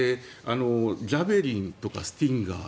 ジャベリンとかスティンガー